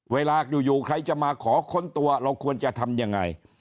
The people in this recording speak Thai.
เวลาอยู่ใครจะมาขอค้นตัวเราควรจะทำยังไง